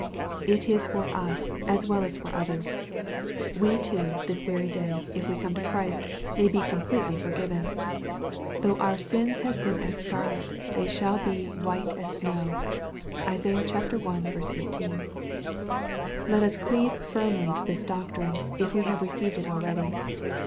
It is for us, as well as for others. We too, this very day, if we come to Christ, may be 56 EXPOSITORY THOUGHTS. completely forgiven. " Though our sins have been as scarlet, they shall be white as snow.' (Isaiah i. 18.) Let us cleave firmly to this doctrine, if we have re ciived it already.